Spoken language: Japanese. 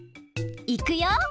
いくよ！